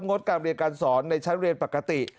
งดการเรียนการสอนในชั้นเรียนปกติ